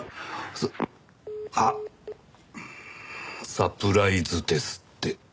サプライズですって。